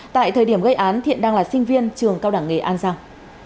tại thời điểm gây án thiện đang là sinh viên trường cao đẳng nghề an giang